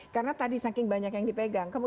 karena tadi saking banyak yang dipegang